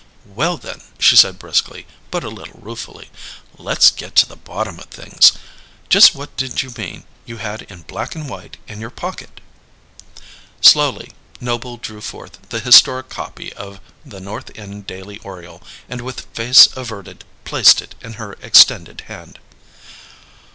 "Well, then," she said briskly, but a little ruefully, "let's get to the bottom of things. Just what did you mean you had 'in black and white' in your pocket?" Slowly Noble drew forth the historic copy of The North End Daily Oriole; and with face averted, placed it in her extended hand.